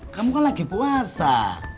kamu kan lagi puasa